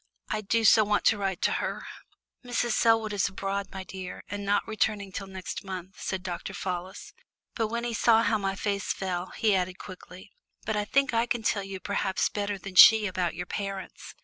I do so want to write to her." "Mrs. Selwood is abroad, my dear, and not returning till next month," said Dr. Fallis; but when he saw how my face fell, he added quickly, "but I think I can tell you perhaps better than she about your parents.